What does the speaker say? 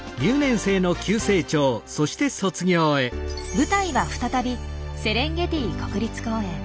舞台は再びセレンゲティ国立公園。